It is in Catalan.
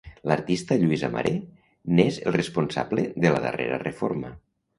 L'artista Lluís Amaré n'és el responsable de la darrera reforma.